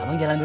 jalan dulu ya